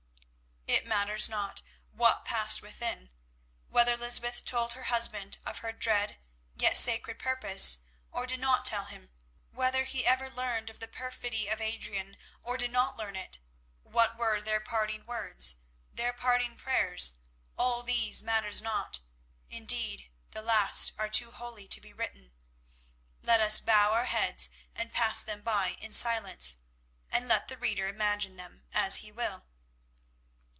It matters not what passed within. Whether Lysbeth told her husband of her dread yet sacred purpose, or did not tell him; whether he ever learned of the perfidy of Adrian, or did not learn it; what were their parting words—their parting prayers, all these things matter not; indeed, the last are too holy to be written. Let us bow our heads and pass them by in silence, and let the reader imagine them as he will.